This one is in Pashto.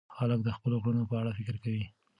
خلک د خپلو کړنو په اړه فکر کوي.